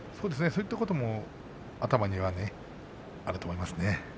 そういったことも頭にはあると思います。